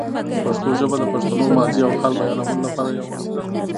پښتو ژبه د پښتنو د ماضي او حال بیانولو لپاره یوه وسیله ده.